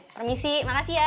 permisi makasih ya